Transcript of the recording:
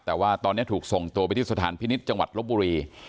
แต่ว่าตอนนี้ถูกส่งตัวไปที่สถานพินิษฐ์จังหวัดลบบุรี